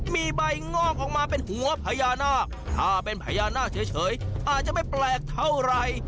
มีใบงอกออกมาเป็นหัวพญานาคถ้าเป็นพญานาคเฉยอาจจะไม่แปลกเท่าไร